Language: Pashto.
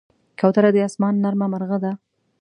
کوتره د آسمان نرمه مرغه ده.